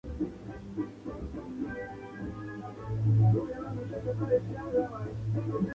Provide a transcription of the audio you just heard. Respaldado por una Rachel reacia, le confiesa a su novia religiosa, quien se sorprende.